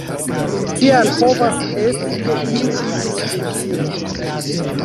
Tial povas esti ke iu iĝis viktimo.